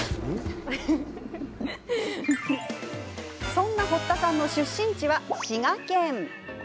そんな堀田さんの出身地は滋賀県。